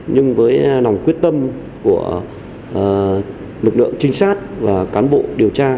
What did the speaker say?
nhưng với lòng quyết tâm của lực lượng trinh sát và cán bộ điều tra